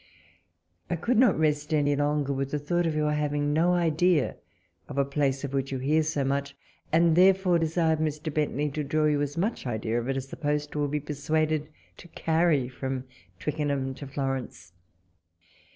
I COULD not rest any longer with the thought of your having no idea of a solace of which you hear so much, and therefore desired Mr. Bcitley to draw you as much idea of it as the p' ;t v/ould be persuaded to carry from Twicke. ham to Florence.